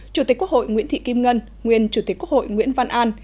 chủ tịch quốc hội nguyễn thị kim ngân nguyên chủ tịch quốc hội nguyễn văn an